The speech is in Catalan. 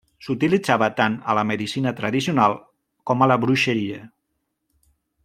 S'utilitzava tant a la medicina tradicional com a la bruixeria.